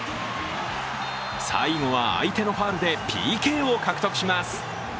最後は、相手のファウルでＰＫを獲得します。